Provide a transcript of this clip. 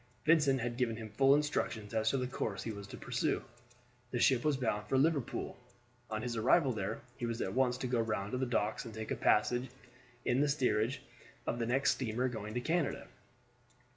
Vincent had given him full instructions as to the course he was to pursue. The ship was bound for Liverpool; on his arrival there he was at once to go round the docks and take a passage in the steerage of the next steamer going to Canada.